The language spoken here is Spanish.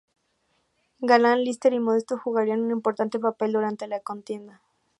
Galán, Líster y Modesto jugarían un importante papel durante la contienda.